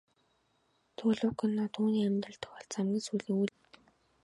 Тэгвэл уг кино түүний амьдралд тохиолдсон хамгийн сүүлийн үйл явдлын талаар өгүүлсэн гэнэ.